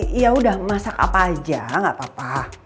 iya udah masak apa aja gak apa apa